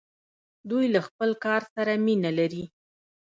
دوی له خپل کار سره مینه لري.